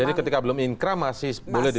jadi ketika belum inkra masih boleh di